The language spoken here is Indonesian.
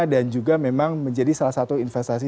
dan juga memang menjadi salah satu investasi